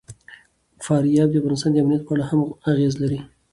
فاریاب د افغانستان د امنیت په اړه هم اغېز لري.